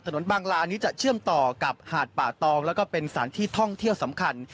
บางลานี้จะเชื่อมต่อกับหาดป่าตองแล้วก็เป็นสถานที่ท่องเที่ยวสำคัญ